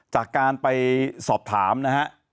จากการไปสอบถามนะฮะ